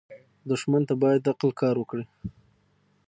دښمن ته باید عقل کار وکړې